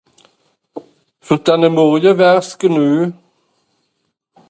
Fer denne Morje wär's genue.